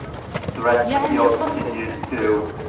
يَعْنِي الْخَطَّ